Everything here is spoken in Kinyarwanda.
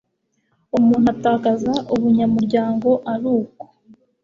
umuntu atakaza ubunyamuryango ari uko